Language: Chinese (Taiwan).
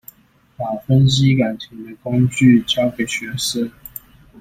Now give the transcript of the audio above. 把分析感情的工具教給學生